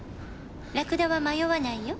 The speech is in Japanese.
「ラクダは迷わないよ」